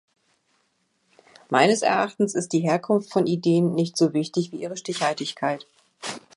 Meines Erachtens ist die Herkunft von Ideen nicht so wichtig wie ihre Stichhaltigkeit.